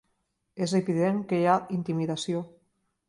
És evident que hi ha intimidació.